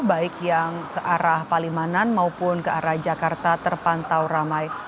baik yang ke arah palimanan maupun ke arah jakarta terpantau ramai